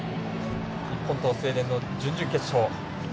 日本とスウェーデンの準々決勝。